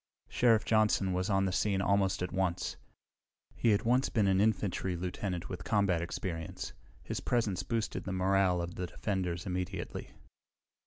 Sheriff Johnson was on the scene almost at once. He had once been an infantry lieutenant with combat experience. His presence boosted the morale of the defenders immediately.